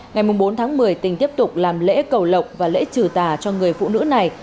ngày bốn tháng một mươi tỉnh tiếp tục làm lễ cầu lộc và lễ trừ tà cho người phụ nữ này